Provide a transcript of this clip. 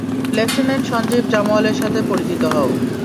Lieutenant Sanjib জামওয়ালের সাথে পরিচিত হও।